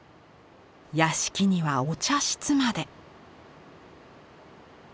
屋敷にはお茶室まで。